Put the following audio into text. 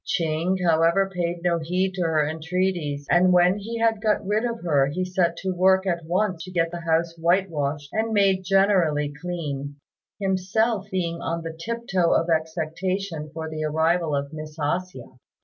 Ching, however, paid no heed to her entreaties, and when he had got rid of her he set to work at once to get the house whitewashed and made generally clean, himself being on the tip toe of expectation for the arrival of Miss A hsia.